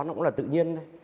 nó cũng là tự nhiên